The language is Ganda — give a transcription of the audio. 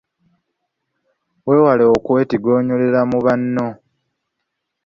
Weewale okwetigoonyolera mu banno.